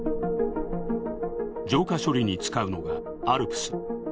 浄化処理に使うのがＡＬＰＳ。